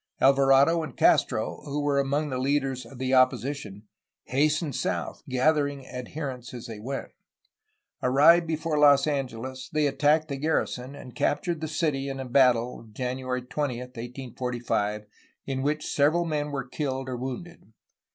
Alvarado and Castro, who were among the leaders of the opposition, hastened south, gath ering adherents as they went. Arrived before Los Angeles they attacked the garrison, and captured the city in a battle (January 20, 1845) in which several men were killed or wounded.